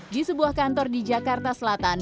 di sebuah kantor di jakarta selatan